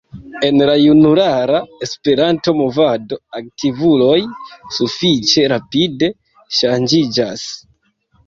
En la junulara Esperanto-movado aktivuloj sufiĉe rapide ŝanĝiĝas.